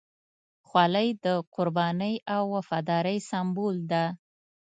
خولۍ د قربانۍ او وفادارۍ سمبول ده.